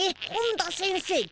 本田先生